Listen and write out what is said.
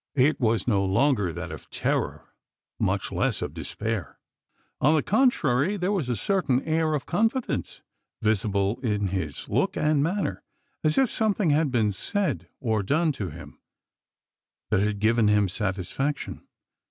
It was no longer that of terror much less of despair. On the contrary, there was a certain air of confidence visible both in his look and manner as if something had been said, or done to him, that had given him satisfaction!